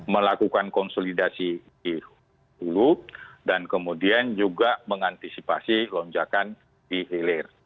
melakukan konsolidasi di hulu dan kemudian juga mengantisipasi lonjakan di hilir